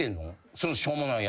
そのしょうもないやつ。